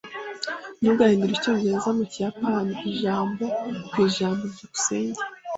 Ntugahindure Icyongereza mu kiyapani ijambo ku ijambo. byukusenge